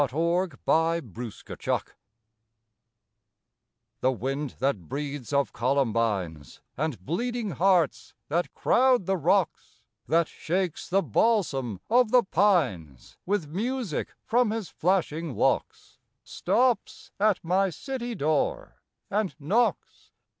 THE WIND OF SPRING The wind that breathes of columbines And bleeding hearts that crowd the rocks; That shakes the balsam of the pines With music from his flashing locks, Stops at my city door and knocks.